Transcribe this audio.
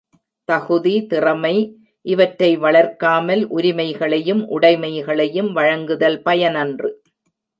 தகுதி, திறமை இவற்றை வளர்க்காமல் உரிமைகளையும் உடைமைகளையும் வழங்குதல் பயனன்று.